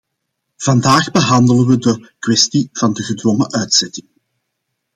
Vandaag behandelen we de kwestie van de gedwongen uitzettingen.